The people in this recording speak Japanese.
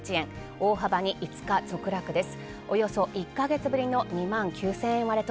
大幅に５日続落です。